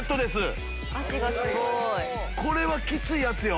これはきついやつよ。